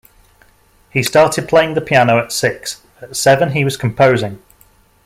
He started playing the piano at six; at seven he was composing.